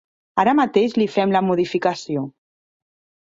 Ara mateix li fem la modificació.